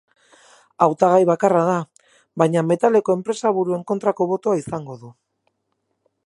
Hautagai bakarra da, baina metaleko enpresaburuen kontrako botoa izango du.